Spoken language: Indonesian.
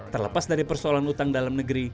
terlepas dari persoalan utang dalam kategori belanja